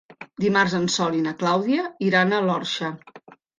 Dimarts en Sol i na Clàudia iran a l'Orxa.